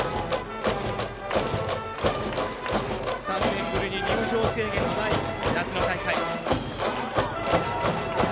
３年ぶりに入場制限のない夏の大会。